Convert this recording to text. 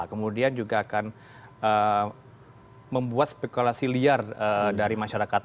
kemudian juga akan membuat spekulasi liar dari masyarakat